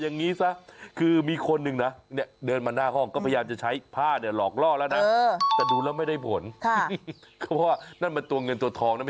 มองกันมันคือเข้าหาเหรอมันจะยังไงเอาผ้าคลุมเหรอ